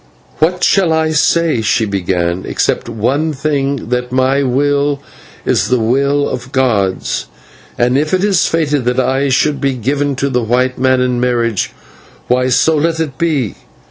"What shall I say?" she began, "except one thing, that my will is the will of the gods, and if it is fated that I should be given to the white man in marriage, why, so let it be.